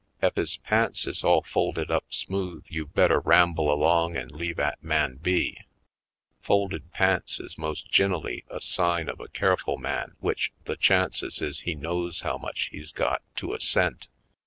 Ef his pants is ail folded up smooth you better ramble along an' leave 'at man be. Folded pants is most gine'lly a sign of a careful man w'ich the chances is he knows how much he's got to a cent.